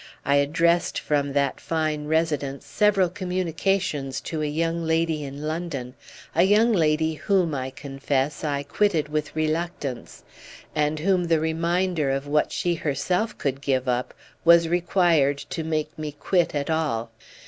I addressed from that fine residence several communications to a young lady in London, a young lady whom, I confess, I quitted with reluctance and whom the reminder of what she herself could give up was required to make me quit at all.